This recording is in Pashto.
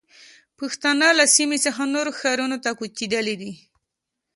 پښتانه له سیمې څخه نورو ښارونو ته کوچېدلي دي.